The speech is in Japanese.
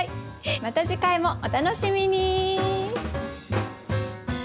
また次回もお楽しみに！